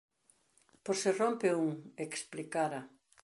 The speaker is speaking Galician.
Por se rompe un, explicara.